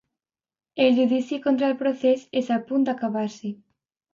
El judici contra el procés és a punt d’acabar-se.